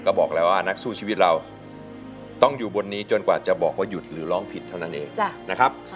ก็บอกแล้วว่านักสู้ชีวิตเราต้องอยู่บนนี้จนกว่าจะบอกว่าหยุดหรือร้องผิดเท่านั้นเองนะครับ